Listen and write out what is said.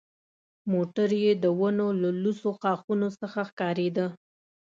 موټر یې د ونو له لوڅو ښاخونو څخه ښکارېده.